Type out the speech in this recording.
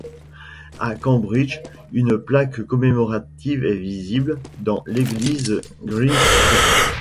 À Cambridge, une plaque commémorative est visible dans l'église Great St.